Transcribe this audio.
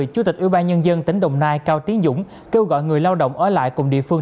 chủ tịch ủy ban nhân dân tỉnh đồng nai cao tiến dũng kêu gọi người lao động ở lại cùng địa phương